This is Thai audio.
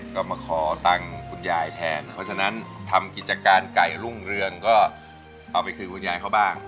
ก็มาขอตังค์คุณยายแทนเพราะฉะนั้นทำกิจการไก่รุ่งเรืองก็เอาไปคืนคุณยายเขาบ้าง